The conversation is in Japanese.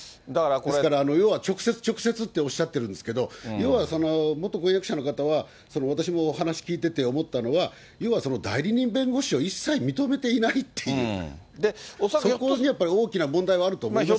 ですから要は直接、直接っておっしゃってるんですけど、要は、元婚約者の方は、私もお話聞いてて思ったのは、要は、代理人弁護士を一切認めていないっていう、そこにやっぱり大きな問題はあると思いますよ。